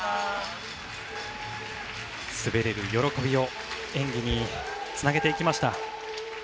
滑られる喜びを演技につなげていきました。